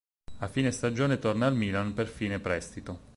A fine stagione torna al Milan per fine prestito.